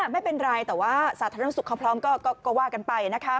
ไม่เป็นไรแต่ว่าสาธารณสุขเขาพร้อมก็ว่ากันไปนะคะ